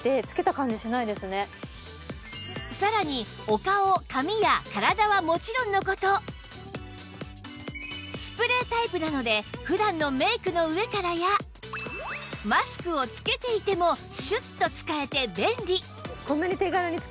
さらにお顔髪や体はもちろんの事スプレータイプなので普段のメイクの上からやマスクをつけていてもシュッと使えて便利